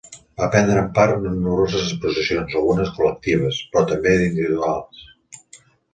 Va prendre part en nombroses exposicions, algunes de col·lectives, però també d'individuals.